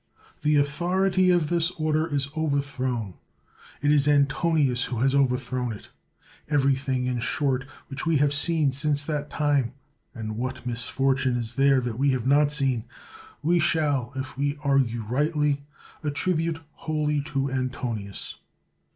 The authority of this order is overthrown ; it is Antonius who has overthrown it. Everything, in short, which we have seen since that time (and what misfortune is there that we have not seent) we shall, if we argue rightly, attribute wholly to Antonius.